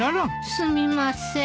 すみません。